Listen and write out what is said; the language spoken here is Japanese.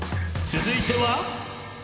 ［続いては］